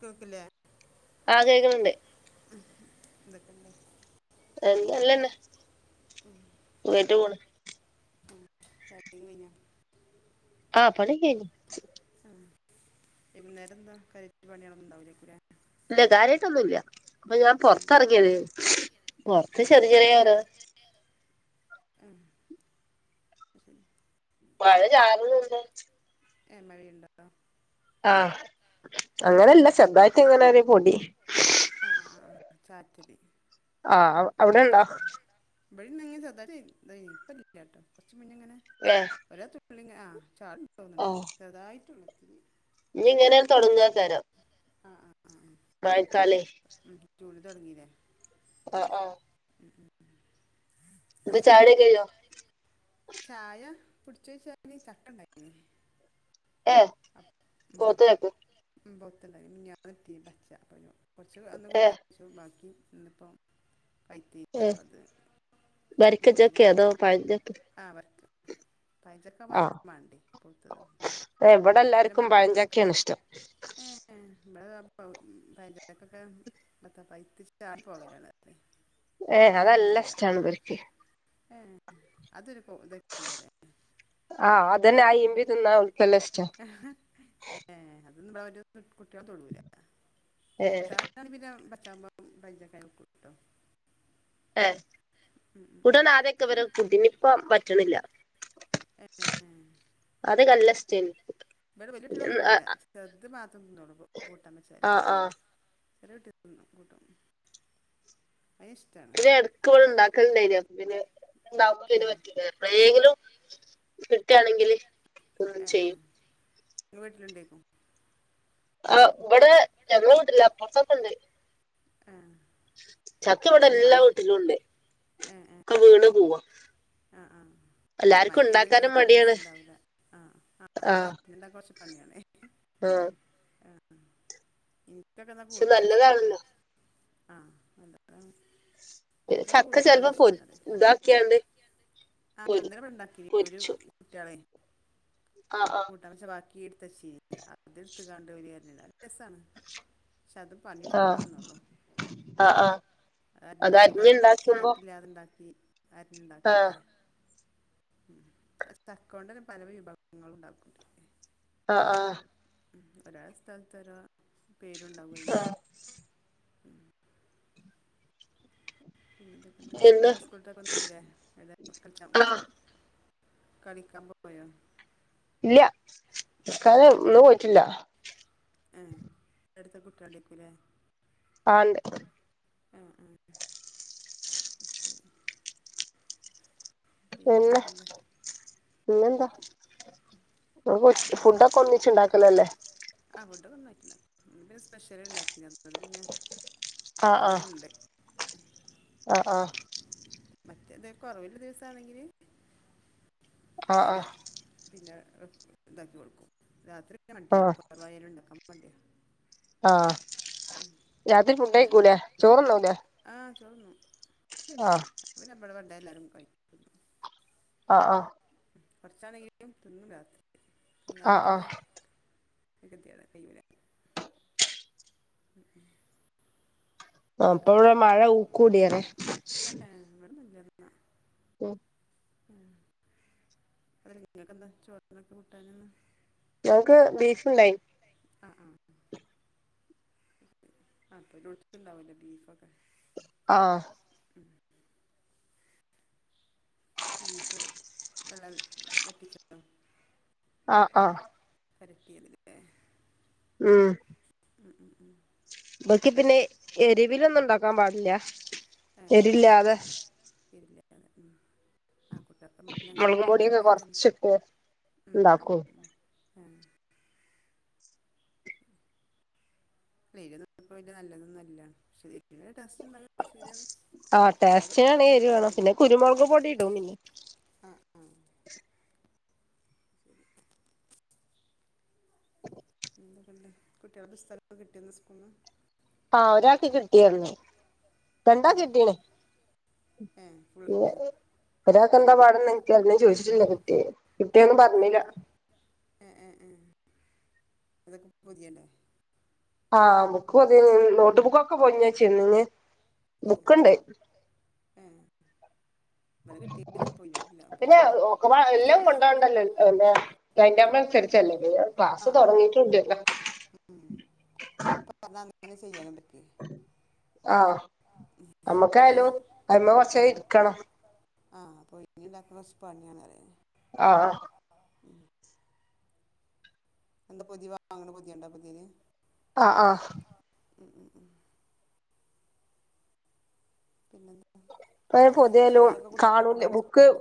കേക്ക്ലേ ആ കേക്കുന്നു. ണ്ട് എന്തൊക്കെയണ്ട് എന്തെനല്ലാണെ ഉം [unintelligible] ഫോണ് [unintelligible] ആ പണിക്കെ കഴിഞ്ഞ്. ഉം വൈകുന്നേരംന്താ കാര്യാട്ട് പണികളൊന്നും ഉണ്ടാവൂല്ലായിരിക്കുലെ. ഇല്ല കാര്യമായിട്ടൊന്നുംല്ല അപ്പൊ ഞാൻ ആ, പൊറത്ത്റങ്ങിയത് പൊറത്ത് ശരി ചെറിയ ചെറിയ ഓരോ ആഹ് അത് ശെരി മഴ ചാറുന്നുണ്ട് ഏഹ് മഴയുണ്ടോ ആ ആഹ അങ്ങനെയല്ല ചെറുതായിട്ട് ഇങ്ങനെ ഒരു പൊടി. ആഹ് ആഹ് ചാറ്റല്. ആഹ് ആ അവിടെണ്ടോ ഇവിടെ ഇങ്ങനെ ചെറുതായിട്ട് പെയ്തു ഇപ്പ ഇല്ല ട്ടോ കൊറച്ചു മുന്നേ ഇങ്ങനെ. ഏഹ ഒരൊ തുള്ളി ഇങ്ങനെ ചാറ് തോന്നുന്നൊണ്ട് ചെറുതായിട്ടേ ഒള്ളൂ ഇത്തിരി. ഇനി ഇങ്ങനെ തൊടങ്ങാ കരം. ആഹ ആഹ് ആഹ് മഴക്കാലൊ ഉം ചൂട് തൊടങ്ങിയില്ലേ. ആഹ് ആഹ് ഉം ഉം നട്ട് ചായോടിയൊക്കെ കഴിഞ്ഞോ ചായ കുടിച്ചോ ചോയിച്ചാല് ചക്ക ഇണ്ടാക്കിയിന്. ഏഹ പോത്ത് ചക്ക പൊത്ത്ണ്ടയ്ന് മിനിഞ്ഞാന്ന് ഇട്ടിന് പച്ച അ കൊറച്ച് അന്ന് ഏഹ് കൂട്ടാൻവച്ചു. ബാക്കി ഇന്നിപ്പോ [unintelligible] ഏഹ് കൊടുത്തി വരിക്കച്ചക്കെ കുട്ടിക് അതോ പഴഞ്ചക്കെ ആ അവർക്ക് പഴം ചക്ക ആഹ് വേണ്ടേ പുഴുത്തത് ഏഹ് ഇവിടെ അമ്മ എല്ലാർക്കും കൂട്ട പഴഞ്ചക്കയാണ് ഇഷ്ടം ഏ ഇമ്മടെ പഴം ചക ഒകൊ മത്ത പൈത്ത [unintelligible] ഏയ് അത് നല്ല ഇഷ്ടമാണ് ഇവർക്ക്. ഏ അതൊരു ഇതൊ കൊണ്ടരെ [unintelligible] ആഹ് അതെന്നെ ആ ഇിമ്പി തന്നൻ ഉൽക്ക് നല്ല ഇഷ്ട. ഏ അത്ഒനും കുട്ടികള് തൊടുല ഏഹ് കൂട്ടാൻ. ഞ പിന്നെ ബച്ചാവുമ്പോ പൈജക്കയാലും കൂട്ടും ട്ടോ എ ഉം ഉം ഉം. കുട്ടാൻ ആദ്യൊക്കെ ഇവര് കുട്ടീന് ഇപ്പം പറ്റ്ണ്ല്ല. ഏ ഏ ആദ്യവൊക്കെ നല്ല ഇഷ് ഇവിടെ വെല്ല്യ കുട്ട്യോളോന്നും തിന്നൂല ചെറുത് മാത്രം തിന്നൂള്ളൂ കൂട്ടാൻ വെച്ചാല് ആഹ് ആഹ് ചെറിയ കുട്ടി തിന്നും കൂട്ടും അയിന് ഇ പിന്നെ ഇടക്ക് ഇവിടെ ഇണ്ടാക്കലുണ്ടായിനി അപ്പ പിന്നെ ഇണ്ടാവുമ്പോ ഏ ഇതിന് പറ്റില്ല എപ്പളെങ്കിലും കിട്ടുകാണെങ്കില് ഒന്നും ഏ ഏ ചെയ്യും നിങ്ങൾ [unintelligible] വീട്ടിലുണ്ടേക്കും ആഹ് ഇവിടെ ഞങ്ങടെ വീട്ടിലില്ല അപ്പൊറത്തൊക്കെ ഉണ്ട് ആഹ് ചക്ക ഇവിടെ എല്ലാ വീട്ടിലും ഉണ്ട് ഒക്കെ വീണ് പോവാ ആഹ് ആഹ് അല്ല എല്ലാർക്കും മഴപെയ്ത് കഴിഞ്ഞാ ഇണ്ടാക്കാനും പിന്നെ മടിയാണ് രസം ഉണ്ടാവില്ല ആഹ് ആഹ് [unintelligible] കൊറച്ച് പണിയാണേ ആഹ് ആഹ് എനിക്കൊക്കെ എന്നാ പക്ഷെ കൂട്ടാൻ ഇഷ്ടം അതാ നല്ലതാണല്ലോ ആഹ് അതാണ് പിന്നെ എനിക്ക് ചക്ക ചെലപ്പോ കൂട്ടാനാണ് ഇഷ്ടം പൊരി എന്ന് പറയുവാ ഇതാക്കിയാണ്ട് ആ പൊരി ഇന്നലെ ഇവിടെ ഉണ്ടാക്കീന് ഒരു പൊരിച്ചു കുട്ടികളെ ആഹ് ആഹ് കൂട്ടാൻ വെച്ച ബാക്കി എടുത്ത് വെച്ചീന് അത് എടുത്തങ്ങാണ്ട് ഓല് [unintelligible] രെസാണ് പക്ഷെ അത് ആഹ് പണിയെടുക്കണോന്നേയുള്ളു ആഹ് ആഹ് അരിഞ്ഞ് അത് ചെറുതാക്കി അരിഞ്ഞുണ്ടാക്കുമ്പോ കട്ടിയില്ലാതെ ഉണ്ടാക്കി അരിഞ്ഞ് ആഹ് ഉണ്ടാക്കണ്ടേ ആഹ് ഉം അത് ചക്ക കൊണ്ട് തന്നെ പല വിഭവങ്ങൾ ഉണ്ടാക്കുന്നുണ്ട് ആഹ് ആഹ് ഉം ഓരോ സ്ഥലത്ത് ഓരോ പേരുണ്ടാവും അതിന് പിന്നെ എന്തൊക്കെണ്ട് എന്ന് കുട്ടികളുടെ സ്കൂളൊക്ക തുറന്നീല്ലേ ആ [unintelligible] കളിക്കാൻ പോയോ ഇല്ല തല്ക്കാലം ഇന്ന് പോയിട്ടില്ല ആഹ് എടുത്ത കുട്ടികൾ ഉണ്ടായിരിക്കൂല്ലേ ആഹ് ഉണ്ട് ആഹ് ആഹ് പിന്നെ പിന്നെന്താ ഫുഡൊക്കെ ഒന്നിച്ചുണ്ടാക്കലല്ലേ ആഹ് ഫുഡൊക്കെ ഒന്നായിട്ട് തന്നെ ഇന്ന് പിന്നെ സ്പെഷ്യല് ഉണ്ടാക്കീന് അത് കൊണ്ട് പിന്നെ ആഹ് ആഹ് അതെല്ലാം ഉണ്ട് ആഹ് ആഹ് മറ്റേത് കൊറവുള്ള ദിവസാണെങ്കില് ആ ആ അങ്ങനെ പിന്നെ ഇതാക്കി കൊടുക്കും രാത്രി പിന്നെ ആ മടിയാണ് കൊറവായാലും ഉണ്ടാക്കാൻ മടിയാ ആഹ് രാത്രി ഫുഡ്‌ കഴിക്കൂലേ ചോറുണ്ണൂല്ലേ ആഹ് ചോറൊണ്ണും ആഹ് [unintelligible] വേണ്ട എല്ലാരും കഴിക്കും ആഹ് ആഹ് കൊറച്ചാണെങ്കിലും തിന്നും രാത്രി ആ അന്നേരം ആ പിന്നെ [unintelligible] കയ്യൂല ഉം ഉം ആഹ് അപ്പ ഇവിടെ മഴ കൂടിയേനെ ആഹ് ഇവിടെ നല്ല മഴയാ ഉം നിങ്ങക്കെന്താ ചോറിനൊക്കെ കൂട്ടാനിന്ന് ഞങ്ങൾക്ക് ബീഫ്ണ്ടായിന്ന് ആഹ് ആഹ് അപ്പൊ [unintelligible] ഉണ്ടാവല്ലോ ബീഫൊക്കെ ആഹ് ഉം ബീഫ് വെള്ളം വറ്റിച്ച് ആഹ് ആഹ് [unintelligible] ഉം ഉം ഉം ഉം [unintelligible] പിന്നെ എരിവിലൊന്നും ഉണ്ടാക്കാൻ പാടില്ല ആഹ് എരില്ലാതെ [unintelligible] ഉം ആഹ് കുട്ടപ്പംവീട്ടിൽഅങ്ങനെല്ലെ [unintelligible] ഉണ്ടാക്കോ ആഹ് വേറൊന്നു ഇല്ല നല്ലതൊന്നു ഇല്ല പക്ഷെ [unintelligible] ശരിയാണ് ആ കുട്ട്യാള് ടേസ്റ്റിനാണെങ്കി എരിവ് വേണം കഴിക്കണെങ്കിലേ പിന്നെ കുരുമുളക് പൊടി ഇടും പിന്നെ ആ ശരി [inaudible] എന്തൊക്കെണ്ട് കുട്ട്യാളെ പുസ്തകൊക്കെ കിട്ടിയൊന്ന് സ്കൂളീന്ന് ആഹ് ഒരാക്ക് കിട്ടിയാരുന്നു ആ രണ്ടാക്ക് കെട്ടീണ് ഏ ഫുൾ കിട്ടിയോ ഒരാൾക്കെന്താ പാടെന്ന് [unintelligible] ഞാൻ ചോദിച്ചിട്ടില്ല കിട്ടിയെ കുട്ടിയൊന്നും പറഞ്ഞില്ല ഏഹ് ഏഹ് ഏഹ് അതൊക്കെ പൊതിയണ്ടേ ആഹ് ബുക്ക് പൊതിയണം നോട്ട് ബുക്കൊക്കെ പൊതിഞ്ഞെച്ചിണ് ഏഹ് ഏഹ് [unintelligible] കിട്ടിക്ക്ണ് പൊതിഞ്ഞിട്ടില്ല പിന്നെ പൊതിയണം എല്ലാം കൊണ്ടോ പോണ്ടല്ലോ ല്ലേ ടൈം ടേബിൾ അനുസരിച്ചല്ലേ ക്ലാസ് തുടങ്ങിയിട്ടുണ്ട് ഉം അപ്പൊ പറഞ്ഞാ [unintelligible] അങ്ങനെ ചെയ്യാനും പറ്റുവെയ് ആഹ് അങ്ങനെ നമ്മക്കായാലും അയിമേ കുറച്ചേരം ഇരിക്കണം ആഹ് [unintelligible] ആഹ് എന്താ പൊതി വാങ്ങണ പൊതിയൊണ്ട പൊതിയല് ആഹ് ആഹ് ഉം ഉം ഉം പിന്നെന്ത പൊതിയലും കാണൂല്ല ബുക്ക് സ്കൂൾക്ക്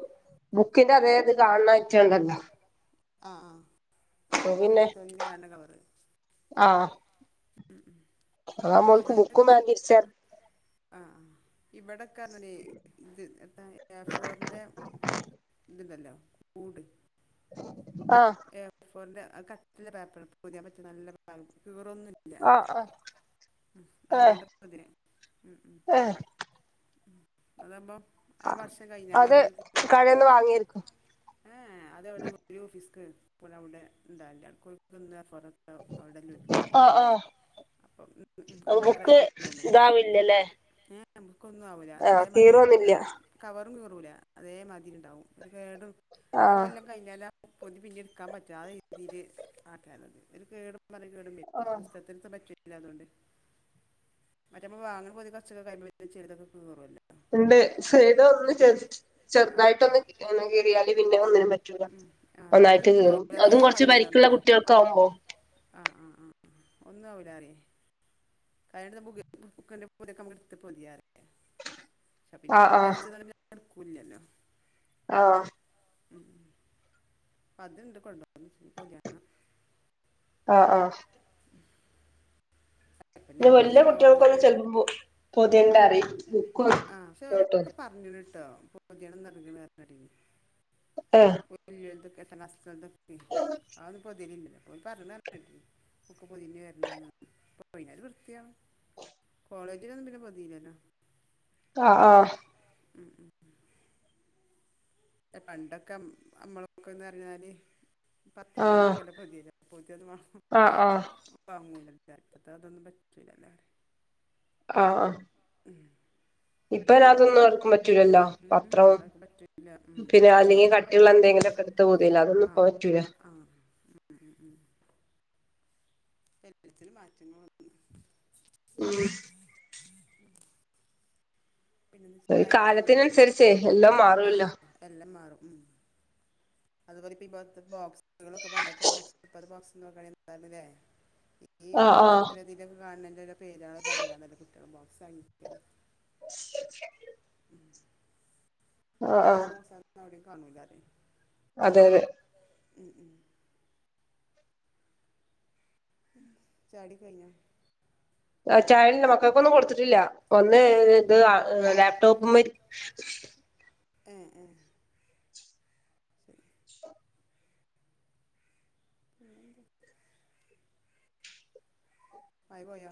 ബുക്കിന്റെ അതെ ഇത് കാണണ ഐറ്റണ്ടല്ലോ ആഹ് അപ്പൊ ആഹ് പിന്നെ [unintelligible] കവറ് ആഹ് അതാകുമ്പോ ഓല്ക്ക് ബുക്കും [unintelligible] ആഹ് ആഹ് ഇവിടെ [unintelligible] ഏഫോറിന്റെ ഇതുണ്ടല്ലോ കൂട് ആഹ് ഏഫോറിന്റെ ആ കട്ടിയുള്ള പേപ്പറ് പൊതിയാൻ പറ്റിയ നല്ല പേപ്പറ് കീറൊന്നുല്ല ആഹ് [unintelligible] ഏഹ് ഉം ഉം ഏഹ് ഉം അതാവുമ്പോ ആ വർഷം കഴിഞ്ഞാലും അത് അയിനൊരു [unintelligible] പറ്റൂല കടേന്ന് വാങ്ങിയായിരിക്കും ഏഹ് അതവിടെ [unintelligible] [unintelligible] അവിടെല്ലോൽക്ക് ആഹ് ആഹ് അപ്പൊ അത് അന്ന് കൊറെ ബുക്ക് കൊണ്ട് വന്ന് ഇതാവില്ലല്ലേ ഏഹ് ബുക്കൊന്നും ആവൂല ആഹ് അതേ മാതിരി ഇട്ട. കീറൊന്നില്ല കവറും കീറൂല അതേമാതിരി ഇണ്ടാവും ഒരു കേട് ആഹ് അവല്ലാ. കഴിഞല് പൊതി പിന്നിം ഇട്ക്കാം പറ്റും ആഹ് രീതില് ആക്കി യാലോന്ന് ഒര് കേടും. [unintelligible] ആഹ് പുസ്തകത്തി [unintelligible] അതോണ്ട്. മറ്റേ മ്മ വാങ്ങിണേ പൊതി കൊറച്ചൊക്കെ [unintelligible] കീറൊല്ലോ. ഇണ്ട് സൈടൊന്ന് ചെ ചെ ആ ചെറുതായിട്ടൊന്ന് കീറിയാല് പിന്നെ ഒന്നിനും പറ്റൂല. ഉം, ആ ഒന്നായിട്ട് ഇതൊന്നും കീറും ആവില്ല അതേ അതും കൊറച്ച് പരിക്കുള്ള കുട്ടേലക്കാവുമ്പോ. ആഹ് ആഹ് ആഹ് ഒന്നുആവൂലറിയേ. കഴിഞ്ഞ ആഹ് ആഹ് [unintelligible] [unintelligible] ക്കൂല്ലല്ലോ. ആഹ്. ഉം അത്ണ്ട് കൊണ്ട് പൊതാനെ. ആഹ് ആഹ്. പ്പൊ പിന്നെ വല്യേ പൊതിയൊക്കെ കുട്ടേൾക്കൊന്നും വാങ്ങണിപ്പോഴും ചെലുമ്പോ പൊത്യേണ്ടറിം. ആഹ് പക്ഷേ ക്ക പറഞ്ഞക്ക്ണ് ട്ട പൊതിയെണം [unintelligible] ഹ്. [unintelligible] [unintelligible] ബുക്ക് പൊതിഞ വരണം ന്നറഞ് പൊയിഞ്ഞ ഒരു വൃത്തിയാവും കോളേജിലൊന്നും പിന്നെ പൊതീലല്ലോ. ആഹ് ആഹ്. ആഹ് ഉം ഉം. [unintelligible] പണ്ടൊക്കെ അമ്മളൊക്കെന്നറഞ്ഞാല്. പത്രം ആഹ് കൊണ്ടൊക്കെല്ലെ പോതിലെ പൊതിയോന്നും ആഹ് ആഹ് [unintelligible] വാങ്ങുല ഇപ്പത്തതൊന്നും പറ്റൂലല്ലോ അവടെ. ആഹ് ആഹ്. ഉം. ഇപ്പതന്നും ആർക്കും പറ്റൂലല്ലോ ഉം, പത്രം. അതൊക്കെ പറ്റൂല ഉം. പിന്നെ അല്ലെങ്കി കട്ടിള്ളന്തെങ്കിലൊ ക്കെടുത്ത് പൊതില്ലോ അതൊന്നും പ്പൊ പറ്റൂല. ആഹ്. ഉം ഉം ഉം. എല്ലചിനും മാറ്റങ്ങള് വന്ന് ഉം പിന്നെന്താ ഒരു ചായകുടിച്ചയ്ഞ്ഞ കാലത്തിനനുസരിച്ചേ എല്ലാം [inaudible] മാറുമല്ലോ ആഹ്. എല്ലാം മാറും ഉം അതുപോലെ ഇപ്പോ ഇപ്പോത്തെ ബോക്സ്. ളൊക്കെ പണ്ടത്തെ ബോക്സ് [unintelligible] ആഹ് ആഹ് [unintelligible] പറഞ്കാണ്ട് കുട്ടേള് ബോക്സാങ്ങിക്കണേയ്. [unintelligible] ആഹ് പണ്ടത്തെ ആഹ് മോസള്ന്നും എവിടിം കാണൂലാലെ. അതെ അതെ. അതെ അതേ ഉം ഉം. ചാടിക്കയിഞ്ഞ. ആഹ് ചായിടില്ല മക്കൾക്കൊന്നും കൊടുത്തിട്ടില്ല ഒന്ന് ഇത് ലാപ്ടോപ്പ്മ്മെരി ഏഹ് ഏഹ്. ശരി വേറെന്താ? മയ പോയോ?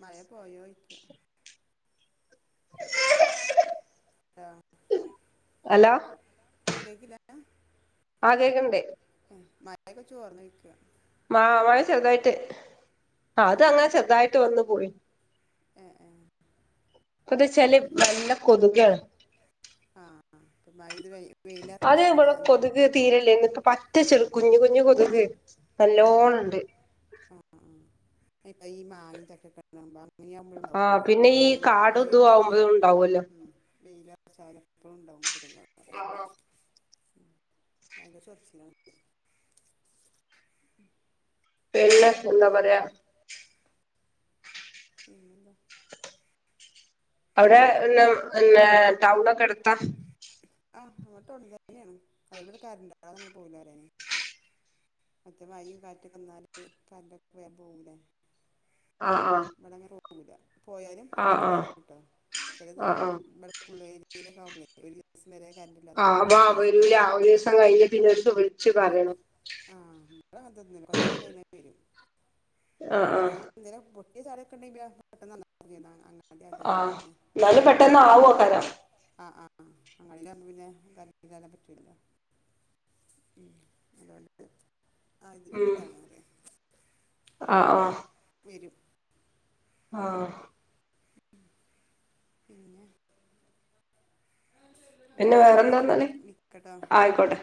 മയ പോയോ ചോയ്ക്ക. Hello hello. ആഹ് കേക്കില്ല. ആഹ് കേക്കണ്ട് മഴയൊക്കെ ചോർന്ന് ചോയ്ക്ക മ മഴ ചെറുതായിട്ട് ഏ അത് അങ്ങനെ ചെറുതായിട്ട് വന്നു പോയി ഏഹ് ഏഹ് ഇപ്പൊന്ന് വെച്ചാല് നല്ല കൊതുകാ ആഹ് ആഹ് വെയില അർച്ചാൽ പിന്നെ എന്തായാലും തീരല്ലേ ഇല്ലായിരുന്ന് പറ്റ ചെറ കുഞ് കുഞ്ഞ് കൊതുക് ആ ആ നല്ലോണം ഇണ്ട് ആ ആ [unintelligible] ഈ മാങ്ങി ചക്കെക്കെ ആഹ് പിന്നെ ഈ കാടും ഇതും ആവുമ്പോഴും ഉണ്ടാവുമല്ലോ [unintelligible] ഈ സാധനം എപ്പോളും ഉണ്ടാവും കെതുകാള് ഭയങ്കരം ചെറിച്ചിലാണ് പിന്നെഎന്താ പറയാ പിന്നെന്താ അവിടെ പിന്നെ പിന്നെ ടൗൺ ഒക്കെ എടുത്താ ആഹ് ഞങ്ങൾ ടൗണിൽ തന്നെയാണ് അത് കെണ്ട് കരാന്റ് വല്ലാതെ അങ്ങനെ പോകില്ലല്ലോ മറ്റേ മഴയും കാറ്റൊക്കെ വന്നാല് കറന്റ് ഒക്കെ വേഗം പോകൂല്ലെ ആഹ് ആഹ് ഇവടെ ഇങ്ങന്നെ പോകൂല പോയാലും ആഹ് പെട്ടെന്ന് ആഹ് വരും കേട്ടോ ചിലത് ആഹ് ആഹ് ഇബടെ ഉള്ളേരിയിലെക്കെ ആകുമ്പോൾ ഒരു ദിവസംവരെ കരണ്ട് ഇല്ലാതെ നിക്കെല്ലോ ആഹ് ഒരീസം വാ രണ്ടീസം വരൂല ഒക്കെ ഒരു ദിവസം കഴിഞ്ഞ് ഉം പിന്നെ ഓര്ക്ക് വിളിച്ചു പറയണം ആഹ് ഇവിടെ തന്നെ കുറച്ചുനേരം കഴിഞ്ഞാൽ വരും ആഹ് ആഹ് [unintelligible] ഈ സാധനം ഒക്കെ ഉണ്ടകിൽ പെട്ടന്ന് [unintelligible] അതെ അതുകൊണ്ട് ആഹ് തന്നെ എന്നാലും പെട്ടെന്ന് ആഹ് ആവോക്കാരം ആഹ് ആ അങ്ങടിആകുബോ പിന്നെ കാരണ്ട് ഇല്ലാതെ പറ്റൂലല്ലോ ഉം അതുപോല്ലെ ആ ഇതിനലൊക്കെ ഉം ഇതാണ്ന് പറയാ ആഹ് ആഹ് പെട്ടെന്ന് വരും ആഹ് പിന്നെ പിന്നെ എന്നായിക്കോട്ടേ പിനെ വേറെന്താന്നാല് വിളിക്കാട്ടോ ആയിക്കോട്ടെ